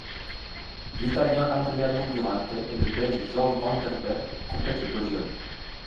L'Italien Adriano Durante et le Belge Georges Vandenberghe complètent le podium.